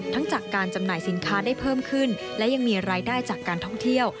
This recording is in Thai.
จากการจำหน่ายสินค้าได้เพิ่มขึ้นและยังมีรายได้จากการท่องเที่ยว